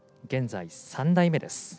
現在３台目です。